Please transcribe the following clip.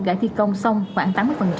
đã thi công xong khoảng tám mươi